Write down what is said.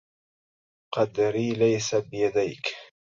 قدري ليس بيديك.